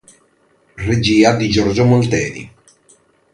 Regia di Giorgio Molteni.